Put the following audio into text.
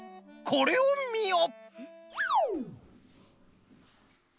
これをみよ！